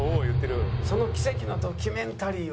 「その軌跡のドキュメンタリーを」